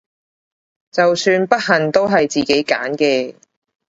就算不幸都係自己揀嘅！